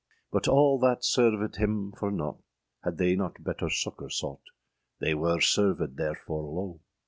â But all that servèd him for nought,â Had they not better succour sought, They wer servèd therfore loe.